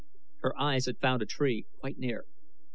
Her eyes had found a tree, quite near.